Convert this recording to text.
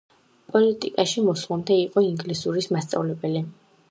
პოლიტიკაში მოსვლამდე იყო ინგლისურის მასწავლებელი.